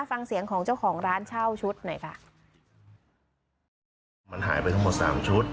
ฟังเสียงของเจ้าของร้านเช่าชุดหน่อยค่ะ